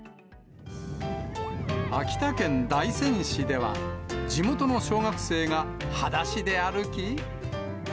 秋田県大仙市では、地元の小学生がはだしで歩き。